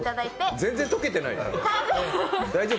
全然溶けてないから大丈夫？